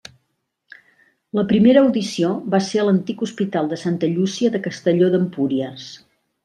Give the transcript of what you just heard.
La primera audició va ser a l'antic Hospital de Santa Llúcia de Castelló d'Empúries.